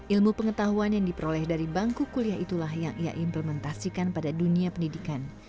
ilmu pengetahuan yang diperoleh dari bangku kuliah itulah yang ia implementasikan pada dunia pendidikan